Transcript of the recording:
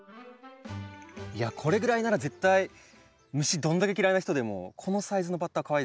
これぐらいなら絶対虫どんだけ嫌いな人でもこのサイズのバッタはかわいいですね。